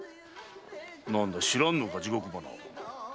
何だ知らぬのか地獄花を。